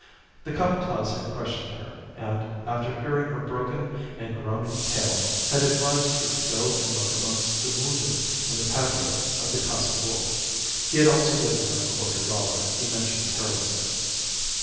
The Capataz had questioned her, and after hearing her broken and groaning tale had advised her to go and look amongst the wounded in the patio of the Casa Gould. He had also given her a quarter dollar, he mentioned carelessly."